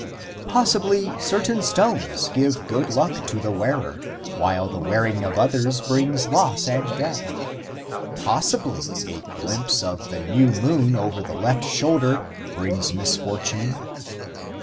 Possibly certain stones give good luck to the wearer, while the wearing of others brings loss and death. Possibly a glimpse of the new moon over the left shoulder brings misfortune.